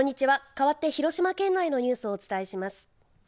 かわって広島県内のニュースをお伝えします。